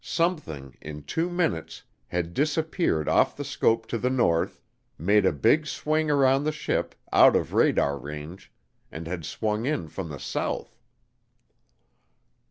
Something, in two minutes, had disappeared off the scope to the north, made a big swing around the ship, out of radar range, and had swung in from the south!